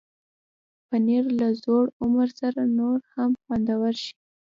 پنېر له زوړ عمر سره نور هم خوندور شي.